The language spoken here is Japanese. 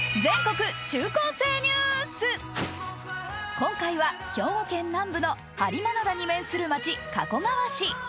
今回は兵庫県南部の播磨灘に面する街、加古川市。